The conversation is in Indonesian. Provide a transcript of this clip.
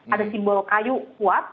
ada simbol kayu kuat